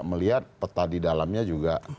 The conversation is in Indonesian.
melihat peta di dalamnya juga